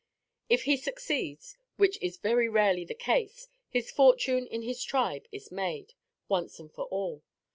If he succeeds, which is very rarely the case, his fortune in his tribe is made, once and for all.